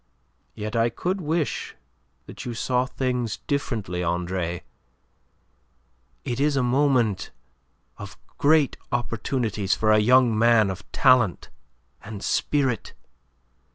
Yet I could wish that you saw things differently, Andre. It is a moment of great opportunities for a young man of talent and spirit.